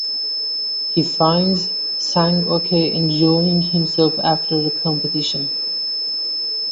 He finds Sang-ok enjoying himself after the competition.